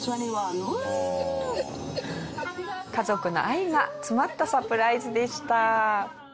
「」家族の愛が詰まったサプライズでした。